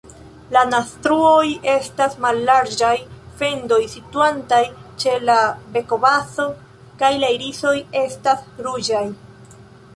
La naztruoj estas mallarĝaj fendoj situantaj ĉe la bekobazo, kaj la irisoj estas ruĝaj.